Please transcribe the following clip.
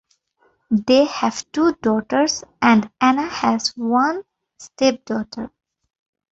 They have two daughters and Anna has one stepdaughter.